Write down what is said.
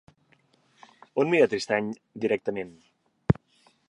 On mira Tristany directament?